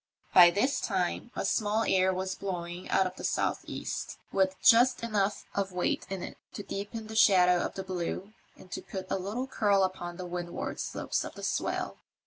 By this time a small air was blowing out of the south east, with just enough of weight in it to deepen the shade of the blue and to put a little curl upon the windward slopes of the swell.